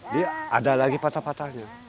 dia ada lagi patah patahnya